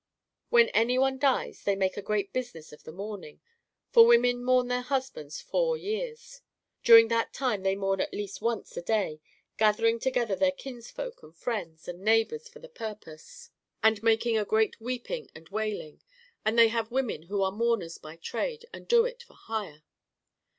When any one dies they make a great business of the mourning, for women mourn their husbands four years. During that time they mourn at least once a day, gathering together their kinsfolk and friends and neighbours for the purpose, and making a great weeping and wailing. [And they have women who are mourners by trade, and do it for hire.